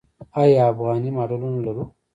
آیا افغاني ماډلونه لرو؟